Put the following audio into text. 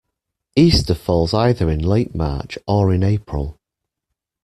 Easter falls either in late March or in April